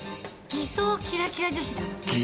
「偽装キラキラ女子」？